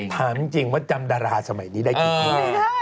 ถามจริงว่าจำดาราสมัยนี้ได้กี่คู่